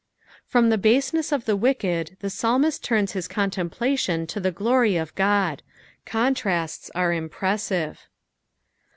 Prom the baaeneaa of the wicked tbe psalmist turns his contemplation to tha glory of Qod. Contniats are impressive.